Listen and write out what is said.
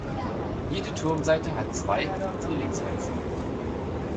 Jede Turmseite hat zwei Zwillingsfenster.